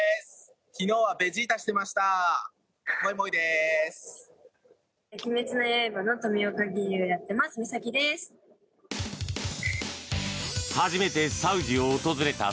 昨日はベジータしてました！